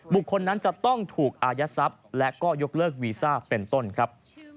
บุคคลนั้นจะต้องถูกอายัดทรัพย์และก็ยกเลิกวีซ่าเป็นต้นครับ